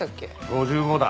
５５だ。